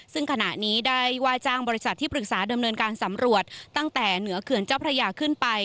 ซึ่งขณะนี้ได้ว่าจ้างบริษัทที่ปรึกษาดำเนินการสำรวจตั้งแต่เหนือเขื่อนเจ้าพระยาขึ้นไป